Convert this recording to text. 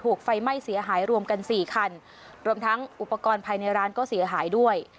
ไฟไหม้เสียหายรวมกันสี่คันรวมทั้งอุปกรณ์ภายในร้านก็เสียหายด้วย